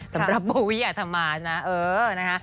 สำหรับโบวิอาธรรมานะเออนะคะ